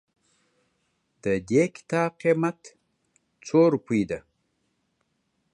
ددي کتاب قيمت څو روپئ ده